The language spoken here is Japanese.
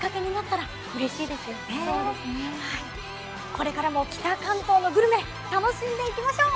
これからも北関東のグルメ楽しんでいきましょう。